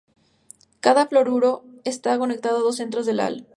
Cada fluoruro está conectado a dos centros de Al.